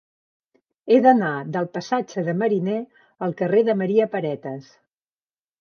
He d'anar del passatge de Mariner al carrer de Maria Paretas.